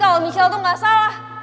kalo misal gak bersalah